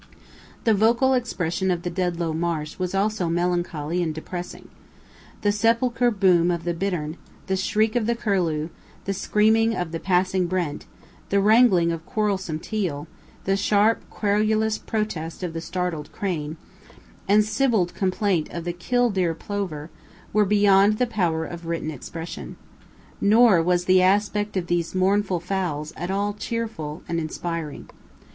The vocal expression of the Dedlow Marsh was also melancholy and depressing. The sepulchral boom of the bittern, the shriek of the curlew, the scream of passing brent, the wrangling of quarrelsome teal, the sharp, querulous protest of the startled crane, and syllabled complaint of the "killdeer" plover, were beyond the power of written expression. Nor was the aspect of these mournful fowls at all cheerful and inspiring.